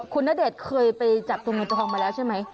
คุณณเดชน์เคยไปจับตัวเงินตัวทองมาแล้วใช่ไหม